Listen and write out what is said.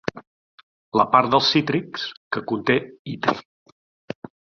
La part dels cítrics que conté itri.